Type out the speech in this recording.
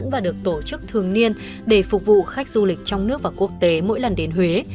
và được tổ chức thường niên để phục vụ khách du lịch trong nước và quốc tế mỗi lần đến huế